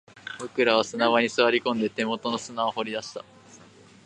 僕らは砂場に座り込んで、手元の砂を掘り出した